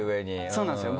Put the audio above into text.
そうなんですよ！